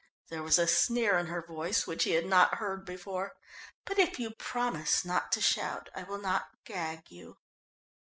There was a sneer in her voice which he had not heard before. "But if you promise not to shout, I will not gag you."